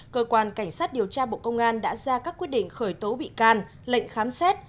cơ quan cảnh sát điều tra bộ công an đã ra các quyết định khởi tố bị can lệnh khám xét